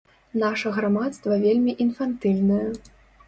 Наша грамадства вельмі інфантыльнае.